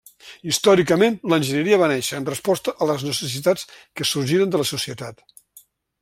Històricament, l'enginyeria va néixer en resposta a les necessitats que sorgiren de la societat.